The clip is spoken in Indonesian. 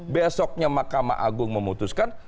besoknya makam agung memutuskan